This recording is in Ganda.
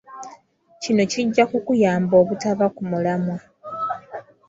Kino kijja kukuyamba obutava ku mulamwa.